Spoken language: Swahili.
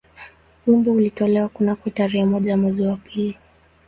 Wimbo ulitolewa kunako tarehe moja mwezi wa pili